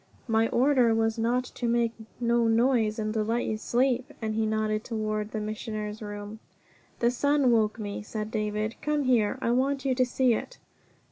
"My order was to make no noise and to let you sleep," and he nodded toward the Missioner's room. "The sun woke me," said David. "Come here. I want you to see it!"